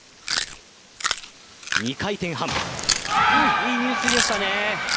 いい入水でしたね。